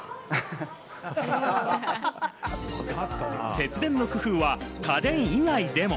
節電の工夫は家電以外でも。